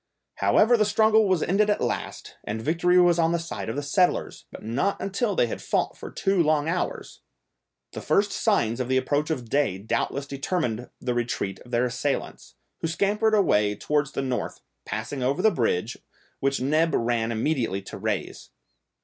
However the struggle was ended at last, and victory was on the side of the settlers, but not until they had fought for two long hours! The first signs of the approach of day doubtless determined the retreat of their assailants, who scampered away towards the North, passing over the bridge, which Neb ran immediately to raise.